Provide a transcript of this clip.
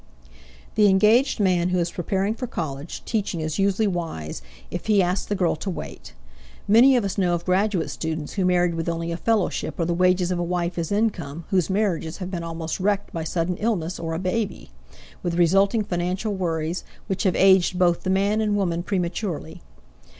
The engaged man who is preparing for college teaching is usually wise if he asks the girl to wait. Many of us know of graduate students who married with only a fellowship or the wages of a wife as income, whose marriages have been almost wrecked by sudden illness or a baby, with resulting financial worries which have aged both the man and woman prematurely.